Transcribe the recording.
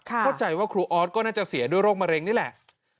เข้าใจว่าครูออสก็น่าจะเสียด้วยโรคมะเร็งนี่แหละ